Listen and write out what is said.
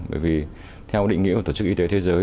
bởi vì theo định nghĩa của tổ chức y tế thế giới